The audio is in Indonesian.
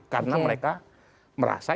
karena mereka merasa